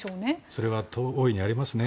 それは大いにありますね。